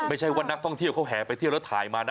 ไม่ใช่ว่านักท่องเที่ยวเขาแห่ไปเที่ยวแล้วถ่ายมานะ